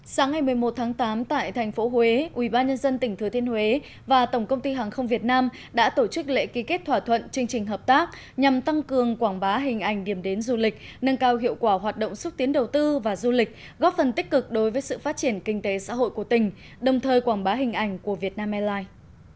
sáng ngày một mươi một tháng tám tại thành phố huế ubnd tỉnh thừa thiên huế và tổng công ty hàng không việt nam đã tổ chức lễ ký kết thỏa thuận chương trình hợp tác nhằm tăng cường quảng bá hình ảnh điểm đến du lịch nâng cao hiệu quả hoạt động xúc tiến đầu tư và du lịch góp phần tích cực đối với sự phát triển kinh tế xã hội của tỉnh đồng thời quảng bá hình ảnh của việt nam airlines